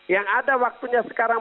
yang ada waktunya sekarang